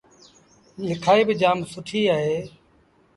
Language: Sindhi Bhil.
ليکآئيٚ با جآم سُٺيٚ اهي